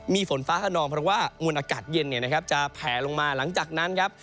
มีฝนฟ้าขนองเพราะว่ามวลอากาศเย็นจะแผลลงมาหลังจากนั้นครับ